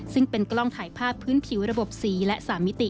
ซึ่งเป็นกล้องถ่ายภาพพื้นผิวระบบสีและ๓มิติ